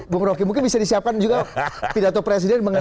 bung rocky mungkin bisa disiapkan juga pidato presiden